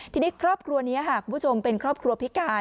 ทีนี้ครอบครัวนี้คุณผู้ชมเป็นครอบครัวพิการ